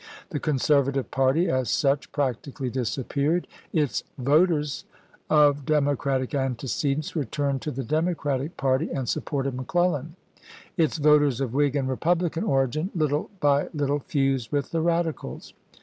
The Conservative party, as such, practically disap peared. Its voters of Democratic antecedents returned to the Democratic party and supported McClellan ; its voters of Whig and Republican origin, little by little, fused with the Radicals.